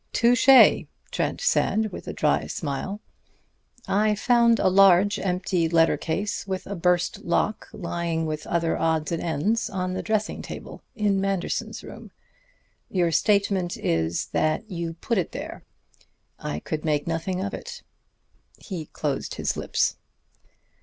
"Touché!" Trent said, with a dry smile. "I found a large empty letter case with a burst lock lying with other odds and ends on the dressing table in Manderson's room. Your statement is that you put it there. I could make nothing of it." He closed his lips.